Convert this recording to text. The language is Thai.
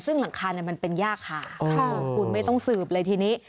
ซึ่งหลังคามันเป็นย่าขาคุณไม่ต้องสืบเลยทีนี้